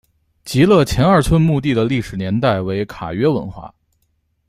极乐前二村墓地的历史年代为卡约文化。